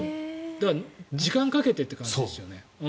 だから、時間をかけてって感じですよね。